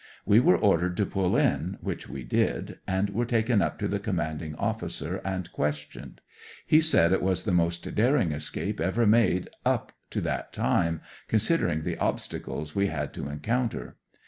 We were ordered to pull in, which we did, and were taken up to the commanding officer and questioned. He said it was the most daring escape ever made, up to that time, considering the obstacles we had to encounter.